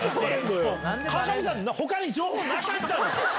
川上さん、ほかに情報なかったのか。